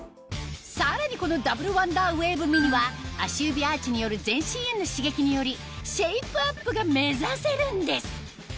さらにこのダブルワンダーウェーブミニは足指アーチによる全身への刺激によりシェイプアップが目指せるんです！